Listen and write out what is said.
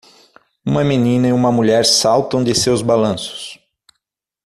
Uma menina e uma mulher saltam de seus balanços.